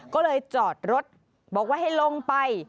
ก็เลยจอดรถบอกว่าให้ลงไป